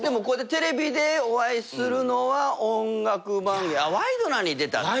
こうやってテレビでお会いするのは音楽番組『ワイドナ』に出た。